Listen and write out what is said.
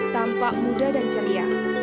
tampak muda dan ceria